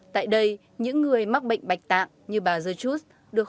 tại đây những người mắc bệnh bạch tạng có thể tìm thấy tình bạn và sự cảm thông tại cộng đồng